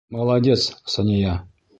Молодец, Сания!